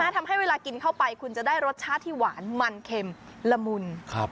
ทำให้เวลากินเข้าไปคุณจะได้รสชาติที่หวานมันเข็มละมุน